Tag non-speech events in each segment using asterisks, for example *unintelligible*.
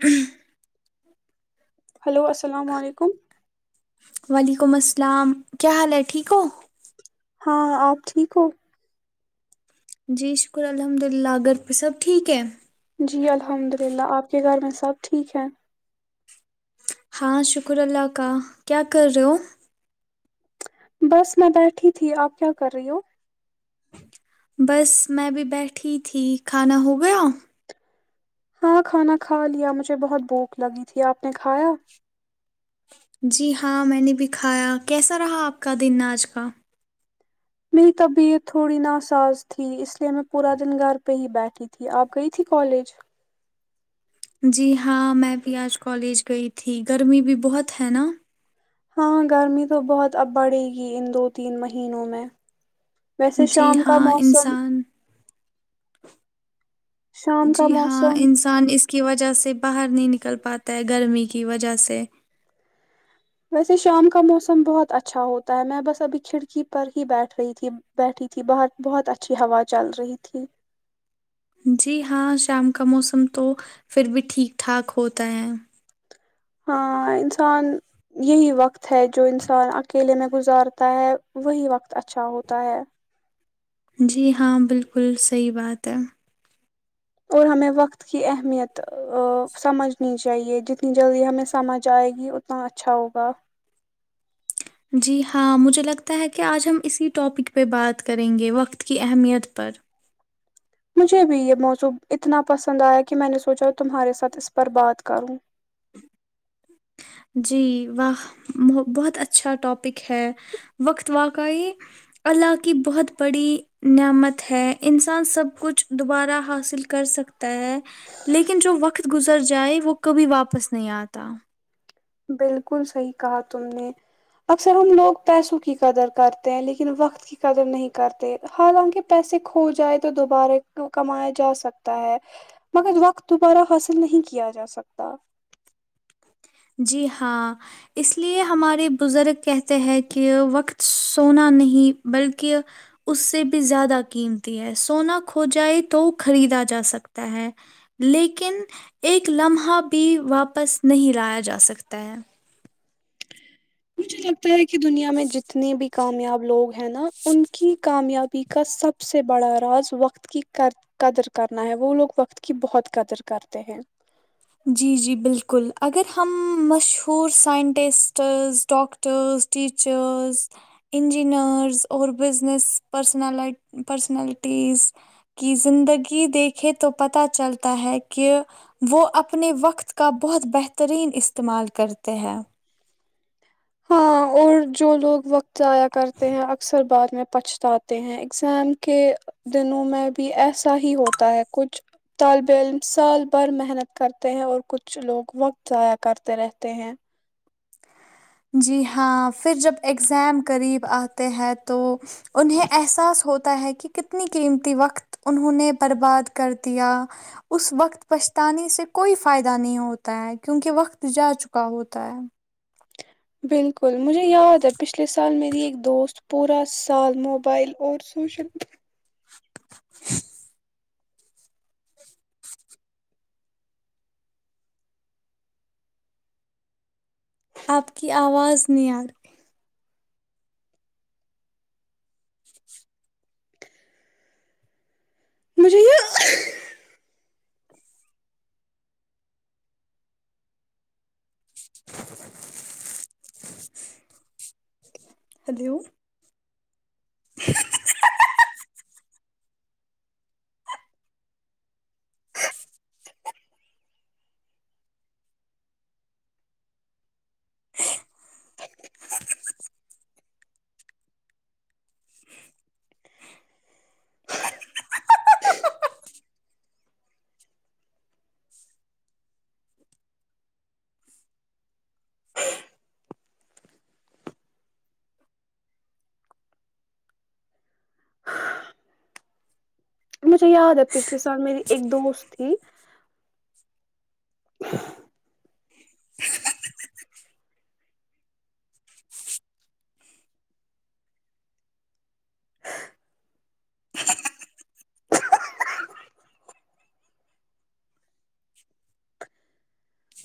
ہ *inaudible* ہلو السلام علیکم وعلیکم السلام کیا حال ہے ٹھیک ہو؟ ہاں آپ ٹھیک ہو جی شکر الحمد اللہ اگر پہ سب ٹھیک ہے جی الحمد للہ آپ کے گھر میں سب ٹھیک ہیں ہاں شکر اللہ کا کیا کر رہے ہو بس میں بیٹھی تھی آپ کیا کر رہی ہو بس میں بھی بیٹھی تھی کھانا ہو گیا ہاں کھانا کھا لیا مجھے بہت بھوک لگی تھی آپ نے کھایا جی ہاں میں نے بھی کایا کیسا رہا آپ کا دن آج کا میری طبیعت تھوڑی ناساز تھی اس لیئے میں پورا دن گھر پہ ہی بیٹھی تھی آپ گئی تھی کالج جی ہاں میں بھی آج کالج گئی تھی گرمی بھی بہت ہے نا ہاں گرمی تو بہت اب بڑھے گی ان دو تین مہینوں میں ویسے جی شام کا ہاں موسم انسان شام کا جی ہاں موسم انسان اس کی وجہ سے باہر نہیں نکل پاتا ہے گرمی کی وجہ سے ویسے شام کا موسم بہت اچھا ہوتا ہے میں بس ابھی کھڑکی پر ہی بیٹھ رہی تھی بیٹھی تھی باہر بہت اچھی ہوا چل رہی تھی جی ہاں شام کا موسم تو پھر بھی ٹھیک ٹھاک ہوتا ہے ہاں انسان یہی وقت ہے جو انسان اکیلے میں گزارتا ہے وہی وقت اچھا ہوتا ہے جی ہاں بالکل صحیح بات ہے اور ہمیں وقت کی اہمیت سمجھنی چاہیے جتنی جلدی ہمیں سمجھ آئے گی اتنا اچھا ہوگا جی ہاں مجھے لگتا ہے کہ آج ہم اسی ٹاپک پہ بات کریں گے وقت کی اہمیت پر مجھے بھی یہ موضوع اتنا پسند آیا کہ میں نے سوچا تمہارے ساتھ اس پر بات کروں جی واہ بہت اچھا ٹاپک ہے وقت واقعی اللہ کی بہت بڑی نعمت ہے انسان سب کچھ دوبارہ حاصل کر سکتا ہے لیکن جو وقت گزر جائے وہ کبھی واپس نہیں آتا بالکل صحیح کہا تم نے اکثر ہم لوگ پیسوں کی قدر کرتے ہیں لیکن وقت کی قدر نہیں کرتے حالانکہ پیسے کھو جائے تو دوبارہ کمایا جا سکتا ہے مگر وقت دوبارہ حاصل نہیں کیا جا سکتا جی ہاں اس لیے ہمارے بزرگ کہتے ہیں کہ وقت سونا نہیں بلکہ اس سے بھی زیادہ قیمتی ہے سونا کھو جائے تو خریدا جا سکتا ہے لیکن ایک لمحہ بھی واپس نہیں لایا جا سکتا ہے مجھے لگتا ہے کہ دنیا میں جتنے بھی کامیاب لوگ ہیں نا ان کی کامیابی کا سب سے بڑا راز وقت کی قدر کرنا ہے وہ لوگ وقت کی بہت قدر کرتے ہیں جی جی بالکل اگر ہم مشہور سائنٹسٹس ڈاکٹرس ٹیچرس انجینئرز اور بزنس پرسن پرسنالٹیز کی زندگی دیکھے تو پتہ چلتا ہے کہ وہ اپ اپنے وقت کا بہت بہترین استعمال کرتے ہیں ہاں اور جو لوگ وقت ضائع کرتے ہیں اکثر بعد میں پچھتاتے ہیں ایگزام کے دنوں میں بھی ایسا ہی ہوتا ہے کچھ طالب علم سال بھر محنت کرتے ہیں اور کچھ لوگ وقت ضائع کرتے رہتے ہیں جی ہاں پھر جب ایگزام قریب آتے ہیں تو انہیں احساس ہوتا ہے کہ کتنی قیمتی وقت انہوں نے برباد کر دیا اس وقت پچھتانے سے کوئی فائدہ نہیں ہوتا ہے کیونکہ وقت جا چکا ہوتا ہے بالکل مجھے یاد ہے پچھلے سال میری ایک دوست پورا سال موبائل اور سوشل آب کیی آواز نہی ارہی مجھے یہ ہیلو ہہ ہہ ہہ مجھے یاد ہے پچھلے سال میری ایک دوست تھی ہہ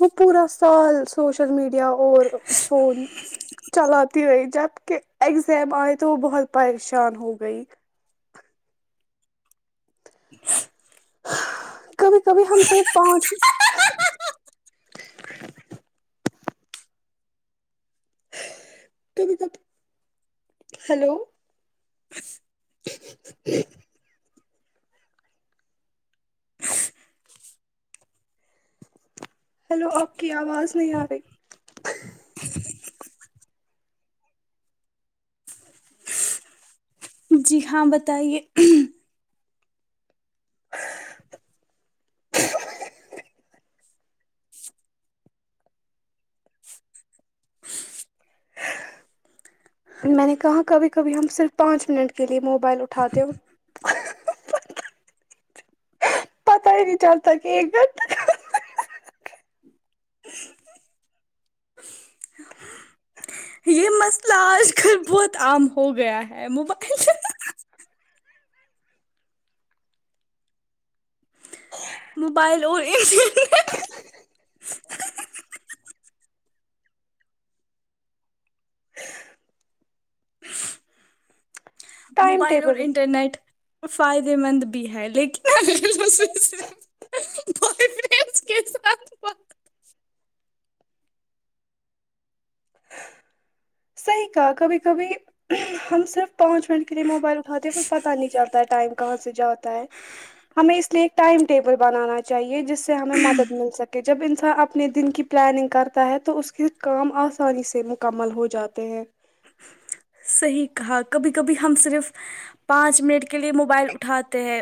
وہ پورا سال سوشل میڈیا اور فون چلاتی رہئی جب کہ ایگزام آئے تو وہ بہت پریشان ہو گئی *unintelligible* کبھی کبھی ہم صرف پانچ کبھی کبھی ہیلو ہہ *inaudible* *inaudible* ہیلو آپ کی آواز نہیں آ رہی جی ہاں بتائیے میں نے کہا کبھی کبھی ہم صرف پانچ منٹ کے لیے موبائل اٹھاتے ہو پتہ ہی نہیں چلتا ایک گھنٹہ کہاں یہ مست اج کل بہت عام ہو گیا ہے موبائل موبائل اور انٹرنیٹ ٹائم موبائل اور ٹیبل انٹرنیٹ فائدے مند بھی ہے لیکن بوائے فرینڈز کے ساتھ صحیح کہا کبھی کبھی ہم صرف پانچ منٹ کے لیے موبائل اٹھاتے پھر پتاہ نہیں چلتا ہے ٹائم کہاں سے جاتا ہے ہمیں اس لیے کہ ٹائم ٹیبل بنانا چاہیے جس جس سے ہمیں مدد مل سکے جب انسان اپنے دن کی پلاننگ کرتا ہے تو اس کے کام آسانی سے مکمل ہو جاتا تے ہے صحیح کہا کبھی کبھی ہم صرف پانچ منٹ کے لئے موبائل اٹھاتے ہیں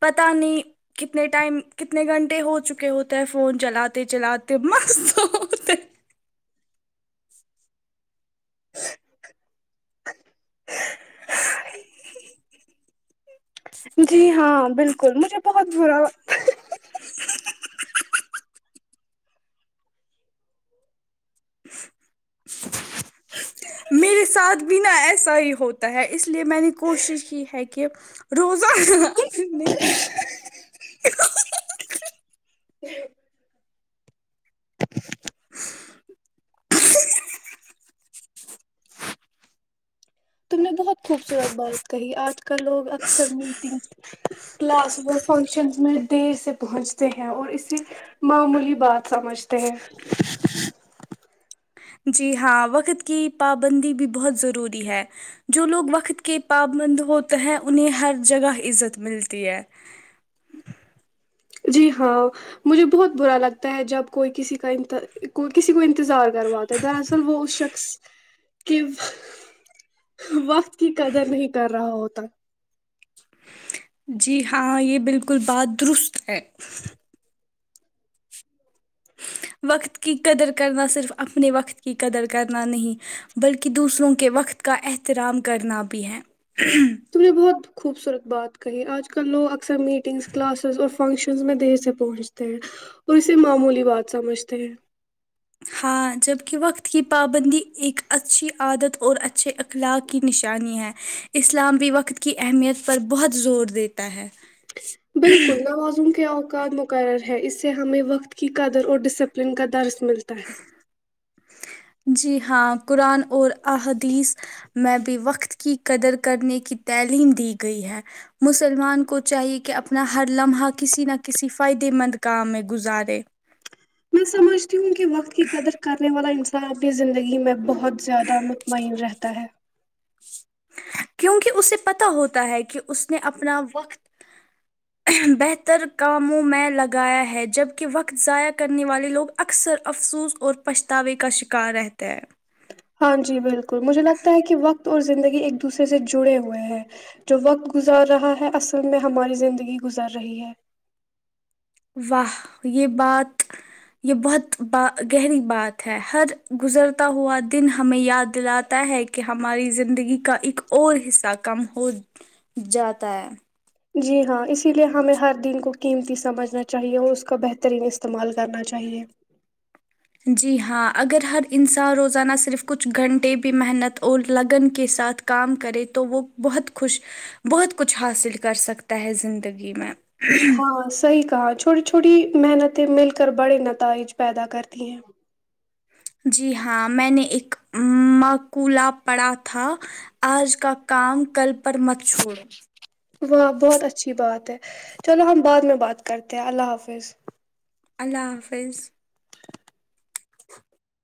پتہ نہیں کتنے ٹائم کتنے گھنٹے ہو چکے ہوتے ہیں فون چلاتے چلاتے مست ہوتے جی ہاں بالکل مجھے بہت برا میرے ساتھ بنا ایسا ہی ہوتا ہے اس لیے میں نے کوشش کی ہے کہ روزہ کا پھرنے تم نے بہت خوبصورت بات کہی آج کل لوگ اکثر میٹنگس کلاس و فنکشنس میں دیر سے پہنچتے ہیں اور اسے معمولی بات سمجھتے ہیں جی ہاں وقت کی پابندی بھی بہت ضروری ہے جو لوگ وقت کے پابند ہوتے ہیں انہیں ہر جگہ عزت ملتی ہے جی ہاں مجھے بہت برا لگتا ہے جب کوئی کسی کا کو کسی کو انتظار کرواتا ہے دراصل وہ اس شخص کے وقت کی قدر نہیں کر رہا ہوتا جی ہاں یہ بالکل بات درست ہے وقت کی قدر کرنا صرف اپنے وقت کی قدر کرنا نہیں بلکہ دوسروں کے وقت کا احترام کرنا بھی ہے تم نے بہت خوبصورت بات کہیں آج کل لوگ اکثر میٹنگس کلاسز اور فنکشنس میں دیر سے پہنچتے ہیں اور اسے معمولی بات سمجھتے ہیں ہاں جبک وقت کی پابندی ایک اچھی عادت اور اچھے اخلاق کی نشانی ہے اسلام بھی وقت کی اہمیت پر بہت زور دیتا ہے بالکل نوازوں کیا قع مقرر ہے اس سے ہمیں وقت کی قدر اور ڈسپلن کا درس ملتا ہے جی ہاں قرآن اور احادیث میں بھی وقت کی قدر کرنے کی تعلیم دی گئی ہے مسلمان کو چاہیے کہ اپنا ہر لمحہ کسی نہ کسی فائدے مند کام میں گزارے میں سمجھتی تاکہ زندگی میں بہت بہت زیادہ مطمئن رہتا ہے کیونکہ اسے پتا ہوتا ہے کہ اس نے اپنا وقت بہتر کاموں میں لگایا ہے جبک وقت ضائع کرنے والے لوگ اکثر افسوس اور پچھتاوے کا شکار رہتے ہیں ہاں جی بالکل مجھے لگتا ہے کہ وقت اور زندگی ایک دوسرے سے جڑے ہوئے ہیں جو وقت گزار رہا ہے اصل میں ہماری زندگی گزر رہی ہے واہ یہ بات یہ بہت ب گہری بات ہے ہر گزرتا ہوا دن ہمیں یاد دلاتا ہے کہ ہماری زندگی کا ایک اور حصہ کم ہو جاتا ہے جی ہاں اسی لیے ہمیں ہر دن کو قیمتی سمجھنا چاہیے اور اس کا بہترین استعمال کرنا چاہیے جی ہاں اگر ہر انسان روزانہ صرف کچھ گھنٹے بھی محنت اور لگن کے ساتھ کام کرے تو وہ بہت خوش بہت کچھ حاصل کر سکتا ہے زندگی میں ہاں صحیح کہا چھوٹی چھوٹی محنت مل کر بڑے نتائج پیدا کرتی ہیں جی ہاں میں نے ا مکولہ پڑھا تھا آج کا کام کل پر مت چھوڑو واہ بہت اچھی بات ہے چلو ہم بعد میں بات کرتے ہیں اللہ حافظ اللہ حافظ *inaudible*